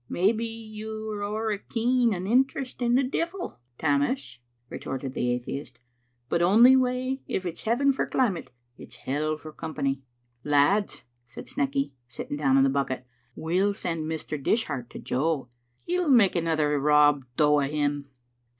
" Maybe you've ower keen an interest in the devil, Tammas," retorted the atheist; "but, ony way, if it's heaven for climate, it's hell for company." "Lads," said Snecky, sitting down on the bucket, "we'll send Mr. Dishart to Jo. He'll make another Rob Dowo' him."